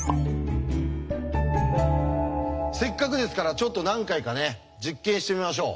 せっかくですからちょっと何回かね実験してみましょう。